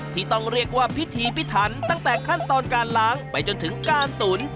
ที่ต้องเรียกว่าพิธีพิถันตั้งแต่ขั้นตอนการล้างไปจนถึงการตุ๋น